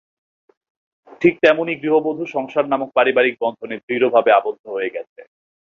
ঠিক তেমনি গৃহবধূ সংসার নামক পারিবারিক বন্ধনে দৃঢ়ভাবে আবদ্ধ হয়ে গেছে।